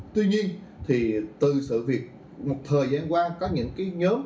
tuy nhiên thì từ sự việc một thời gian qua có những cái nhóm